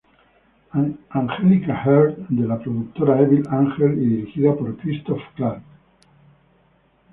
Angelica Heart", de la productora Evil Angel y dirigida por Christoph Clark.